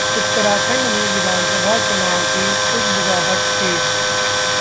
उत्तराखंड में विधानसभा चुनाव की सुगबुगाहट तेज